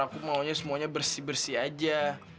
aku maunya semuanya bersih bersih aja